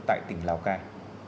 tại tỉnh lào cai